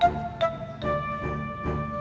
kamu mau ke rumah